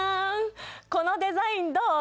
このデザインどう？